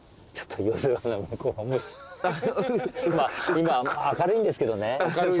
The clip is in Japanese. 今明るいんですけどね。